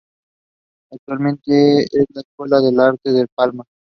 Actualmente es la Escuela de Arte La Palma.